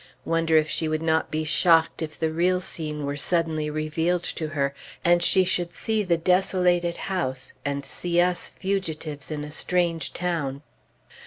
Wonder if she would not be shocked if the real scene were suddenly revealed to her, and she should see the desolated house and see us fugitives in a strange town.